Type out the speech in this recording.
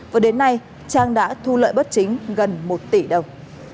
và đến nay trang đã thu lợi bất chính gần một tỷ đồng